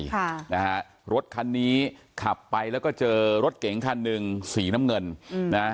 ค่ะนะฮะรถคันนี้ขับไปแล้วก็เจอรถเก๋งคันหนึ่งสีน้ำเงินอืมนะ